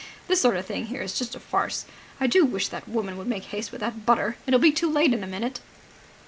This sort of thing here is just a farce. I do wish that woman would make haste with that butter. It'll be too late in a minute."